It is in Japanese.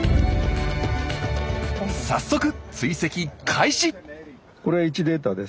早速追跡開始！